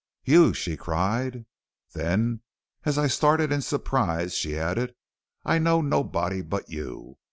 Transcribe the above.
"'You,' she cried. Then, as I started in surprise, she added: 'I know nobody but you.